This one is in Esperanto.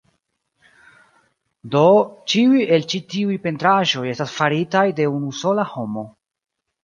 Do, ĉiuj el ĉi tiuj pentraĵoj estas faritaj de unu sola homo